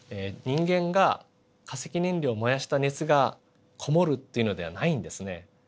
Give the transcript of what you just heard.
人間が化石燃料を燃やした熱が籠もるっていうのではないんですね。